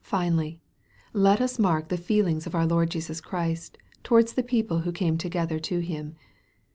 Finally, let us mark the feelings of our Lord Jesus Christ towards the people who came together to Him.